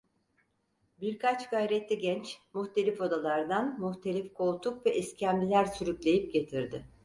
Birkaç gayretli genç muhtelif odalardan muhtelif koltuk ve iskemleler sürükleyip getirdi.